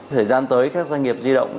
thời gian tới các doanh nghiệp di động